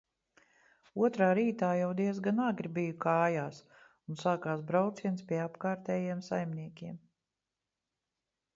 Otrā rītā jau diezgan agri biju kājās un sākās brauciens pie apkārtējiem saimniekiem.